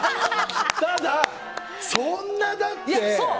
ただ、そんな、だって。